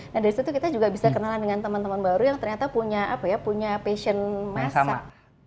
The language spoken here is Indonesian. nah dari situ kita juga bisa kenalan dengan teman teman baru yang ternyata punya passion masak